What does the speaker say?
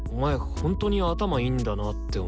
ほんとに頭いいんだなって思って。